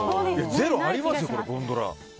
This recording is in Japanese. ０ありますよ、ゴンドラ。